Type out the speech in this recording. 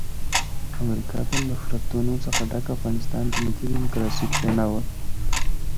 امریکا د نفرتونو څخه ډک افغانستان جنتي ډیموکراسي کښېناوه.